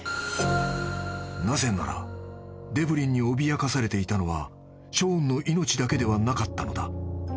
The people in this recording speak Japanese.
［なぜならデブリンに脅かされていたのはショーンの命だけではなかったのだ］